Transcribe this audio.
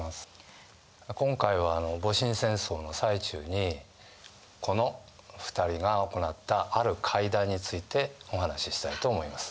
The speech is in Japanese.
今回は戊辰戦争の最中にこの二人がおこなったある会談についてお話ししたいと思います。